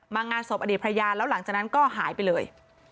งานศพอดีตภรรยาแล้วหลังจากนั้นก็หายไปเลย